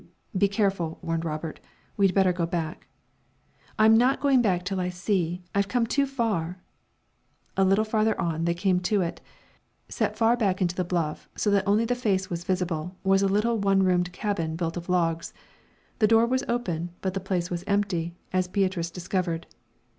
"Be careful," warned Robert, "we'd better go back." "I'm not going back till I see. I've come too far!" A little farther on, they came to it. Set far back into the bluff, so that only the face of it was visible, was a little one roomed cabin, built of logs. The door was open, but the place was empty, as Beatrice discovered.